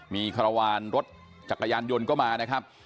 มีคารวาลรถจักรยานยนต์ก็มานะครับ